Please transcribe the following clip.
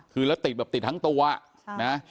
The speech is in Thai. คือแล้วติดแบบติดทั้งตัวนะ